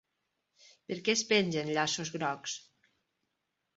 Per què es pengen llaços grocs?